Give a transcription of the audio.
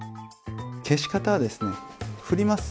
消し方はですね振ります。